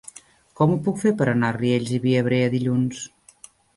Com ho puc fer per anar a Riells i Viabrea dilluns?